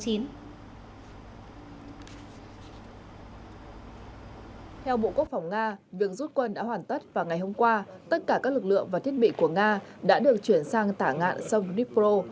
theo bộ quốc phòng nga việc rút quân đã hoàn tất và ngày hôm qua tất cả các lực lượng và thiết bị của nga đã được chuyển sang tả ngạn sông dnipro